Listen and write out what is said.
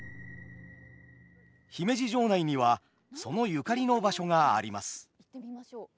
姫路城内にはそのゆかりの場所があります。